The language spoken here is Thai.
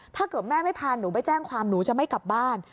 ถ้าเกิดแม่ไม่พาหนูไปแจ้งความหนูจะไม่กลับบ้าน